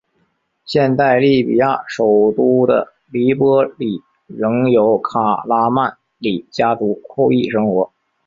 现在利比亚首都的黎波里仍有卡拉曼里家族后裔生活。